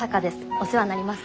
お世話になります。